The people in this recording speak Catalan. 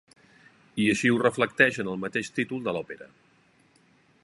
I així ho reflecteix en el mateix títol de l'òpera.